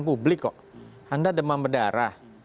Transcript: publik kok anda demam berdarah